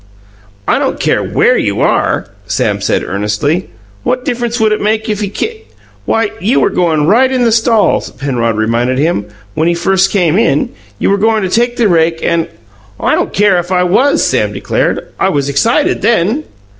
"I don't care where you are," Sam said earnestly. "What difference would that make if he ki " "Why, you were goin' right in the stall," Penrod reminded him. "When he first came in, you were goin' to take the rake and " "I don't care if I was," Sam declared. "I was excited then."